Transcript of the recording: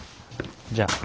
じゃあ。